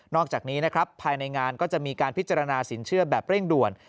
อกจากนี้นะครับภายในงานก็จะมีการพิจารณาสินเชื่อแบบเร่งด่วน